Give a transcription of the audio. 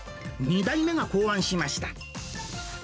２代目が考案しました。